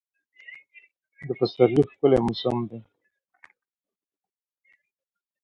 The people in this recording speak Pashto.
دا پسرلی ښکلی موسم دی.